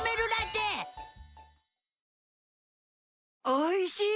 おいしい！